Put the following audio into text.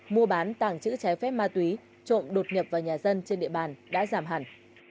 mua bán tàng trữ trái phép ma túy trộm đột nhập vào nhà dân trên địa bàn đã giảm hẳn